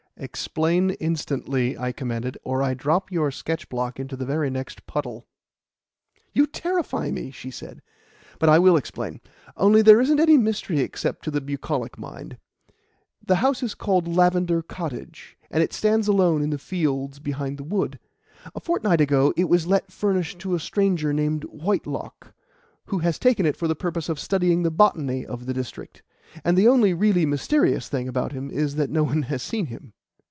"Explain instantly," I commanded, "or I drop your sketch block into the very next puddle." "You terrify me," said she. "But I will explain, only there isn't any mystery except to the bucolic mind. The house is called Lavender Cottage, and it stands alone in the fields behind the wood. A fortnight ago it was let furnished to a stranger named Whitelock, who has taken it for the purpose of studying the botany of the district; and the only really mysterious thing about him is that no one has seen him.